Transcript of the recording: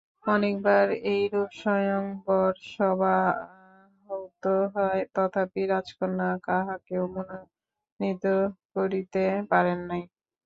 অনেকবার এইরূপ স্বয়ংবর-সভা আহূত হয়, তথাপি রাজকন্যা কাহাকেও মনোনীত করিতে পারেন নাই।